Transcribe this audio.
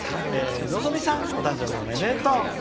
のぞみさん、お誕生日おめでとう。